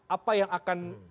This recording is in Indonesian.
apa yang akan